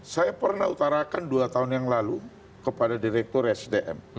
saya pernah utarakan dua tahun yang lalu kepada direktur sdm